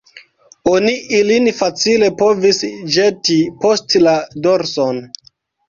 Oni ilin facile povis ĵeti post la dorson.